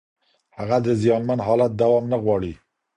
هغه د زیانمن حالت دوام نه غواړي.